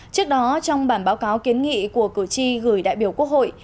trước đó trong bản báo cáo kiến nghị của cử tri gửi đại biểu quốc hội